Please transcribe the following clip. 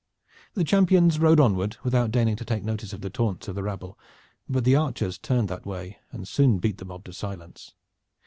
The champions rode onward without deigning to take notice of the taunts of the rabble, but the archers turned that way and soon beat the mob to silence.